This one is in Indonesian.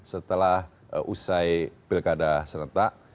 setelah usai pilkada serentak